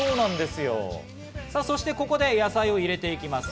そしてここで野菜を入れていきます。